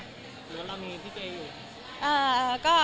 หรือว่าเรามีพี่เจอยู่